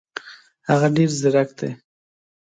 هغه ډېر زیرک دی.